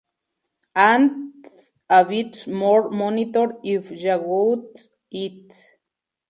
And a bit more monitor if ya got it.